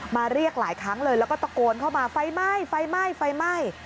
มาเรียกหลายครั้งเลยแล้วก็ตะโกนเข้ามาไฟไหม้ไฟไหม้ไฟไหม้